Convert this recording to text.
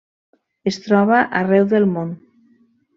Es troba arreu del món.